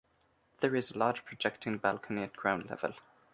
There is a large projecting balcony at ground level.